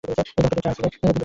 এ দম্পতির চার ছেলে।